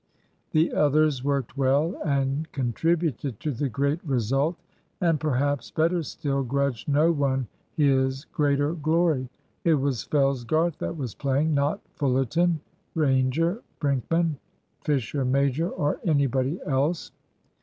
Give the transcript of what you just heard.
The others worked well, and contributed to the great result, and perhaps, better still, grudged no one his greater glory. It was Fellsgarth that was playing, not Fullerton, Ranger, Brinkman, Fisher major, or anybody else.